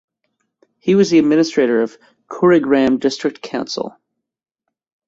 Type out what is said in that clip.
He was the administrator of Kurigram district council.